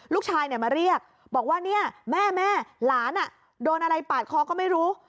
ลูกชายมาเรียกบอกว่าเนี่ยแม่หลานโดนอะไรปาดคอก็ไม่รู้